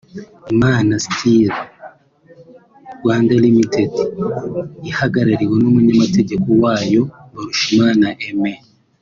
Imana Steel Rwanda Limited’ ihagarariwe n’umunyamategeko wayo Mbarushimana Aimee